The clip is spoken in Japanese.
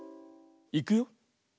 いくよ。